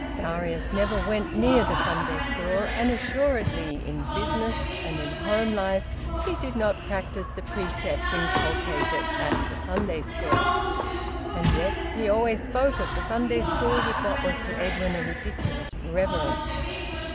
Darius never went near the Sunday school, and assuredly in business and in home life he did not practise the precepts inculcated at the Sunday school, and yet he always spoke of the Sunday school with what was to Edwin a ridiculous reverence.